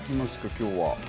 今日は。